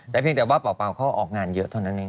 แต่เพียงแต่ว่าเป่าเขาออกงานเยอะเท่านั้นเอง